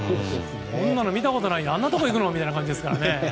こんなの見たことないあんなところにいくの？って感じですから。